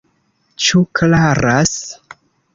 Ĉu klaras?